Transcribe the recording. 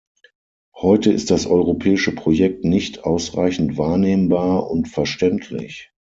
Heute ist das europäische Projekt nicht ausreichend wahrnehmbar und verständlich.